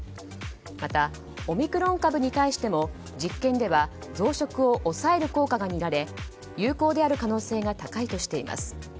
またオミクロン株に対しても実験では増殖を抑える効果が見られ有効である可能性が高いとしています。